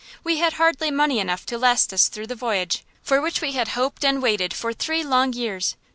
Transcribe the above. We had hardly money enough to last us through the voyage for which we had hoped and waited for three long years.